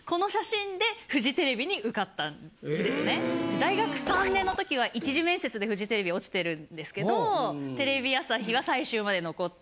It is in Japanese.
大学３年の時は一次面接でフジテレビ落ちてるんですけどテレビ朝日は最終まで残って。